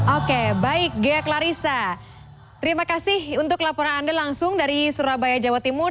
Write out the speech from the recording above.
oke baik ghea klarissa terima kasih untuk laporan anda langsung dari surabaya jawa timur